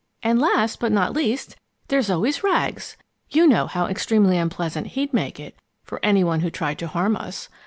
And, last but not least, there's always Rags! You know how extremely unpleasant he'd make it for any one who tried to harm us.